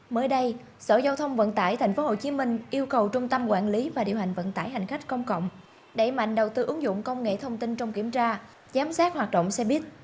mới đây sở giao thông vận tải tp hcm yêu cầu trung tâm quản lý và điều hành vận tải hành khách công cộng đẩy mạnh đầu tư ứng dụng công nghệ thông tin trong kiểm tra giám sát hoạt động xe buýt